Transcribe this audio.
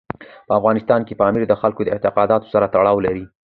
په افغانستان کې پامیر د خلکو د اعتقاداتو سره تړاو لري.